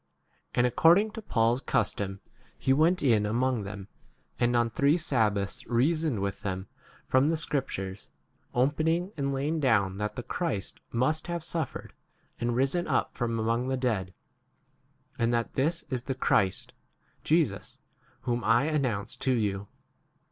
And according to Paul's custom he went in among them, and on three sabbaths reasoned with them from 3 the scriptures, opening and laying down that the Christ must have suffered and risen up from among the dead, and that this is the Christ, Jesus whom I announce 4 to you.